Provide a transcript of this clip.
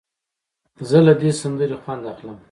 زه له دې سندرې خوند اخلم.